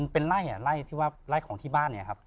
เป็นไล่นะไล่ของที่บ้านเนี่ยครับ